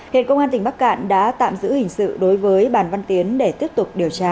hiện công an tỉnh bắc cạn đã tạm giữ hình sự đối với bàn văn tiến để tiếp tục điều tra